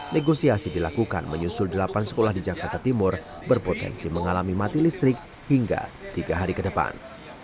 negosiasi dilakukan menyusul delapan sekolah di jakarta timur berpotensi mengalami mati listrik hingga tiga hari ke depan